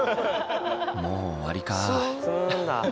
もう終わりか。